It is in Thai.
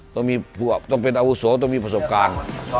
ต้องมีพวกต้องเป็นอาวุโสต้องมีประสบการณ์